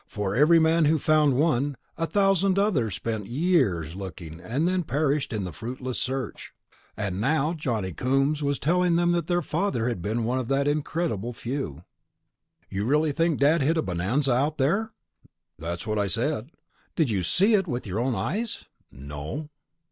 For every man who found one, a thousand others spent years looking and then perished in the fruitless search. And now Johnny Coombs was telling them that their father had been one of that incredible few. "You really think Dad hit a bonanza lode out there?" "That's what I said." "Did you see it with your own eyes?" "No."